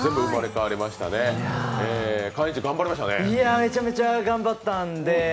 めちゃめちゃ頑張ったんで。